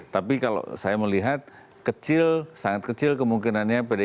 tapi kalau saya melihat kecil sangat kecil kemungkinannya pdip